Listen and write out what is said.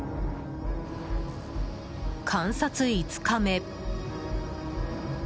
観察５日目。